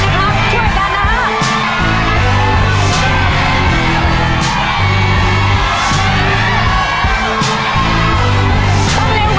ย้ายฝั่งใหญ่ไปทางเร็ว